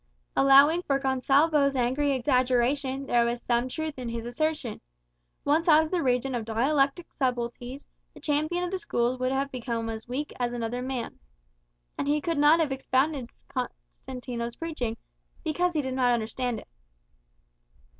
Allowing for Gonsalvo's angry exaggeration, there was some truth in his assertion. Once out of the region of dialectic subtleties, the champion of the schools would have become weak as another man. And he could not have expounded Fray Constantino's preaching; because he did not understand it.